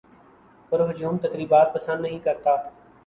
پر ہجوم تقریبات پسند نہیں کرتا